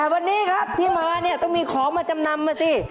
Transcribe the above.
แต่วันนี้ครับที่มาต้องมีของมาจำนำมาสิ